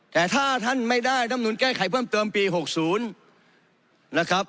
แต่ถ้าท่านไม่ได้รำนุนแก้ไขเพิ่มเติมปี๖๐นะครับ